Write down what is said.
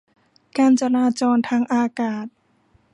การจราจรทางอากาศ